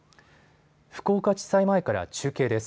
福岡地裁前から中継です。